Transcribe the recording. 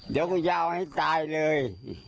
เดี๋ยวกูจะเอาให้ตายเลย